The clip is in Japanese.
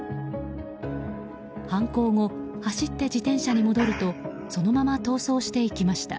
犯行後、走って自転車に戻るとそのまま逃走していきました。